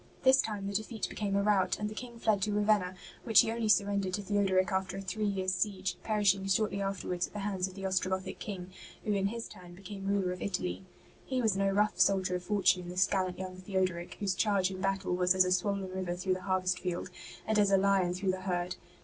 This time the defeat became a rout, and the King fled to Ravenna, which he only sur rendered to Theodoric after a three years' siege, perishing shortly afterwards at the hands of the Ostrogothic King, who in his turn became ruler of Italy. He was no rough soldier of fortune, this gallant young Theodoric, whose charge in battle was '' as a swollen river through the harvest field, and as a lion through the herd.''